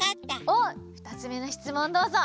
おっふたつめのしつもんどうぞ。